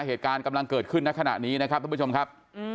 เหตุการณ์กำลังเกิดขึ้นในขณะนี้นะครับทุกผู้ชมครับ